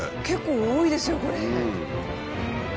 結構多いですよこれ。